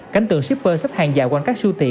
cánh tường shipper sắp hàng dạo quanh các siêu thị